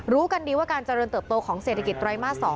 รู้กันดีว่าการเจริญเติบโตของเศรษฐกิจไตรมาส๒